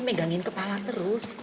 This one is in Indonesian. megangin kepala terus